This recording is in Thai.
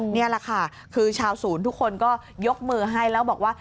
นี่แหละค่ะคือชาวศูนย์ทุกคนก็ยกมือให้แล้วบอกว่า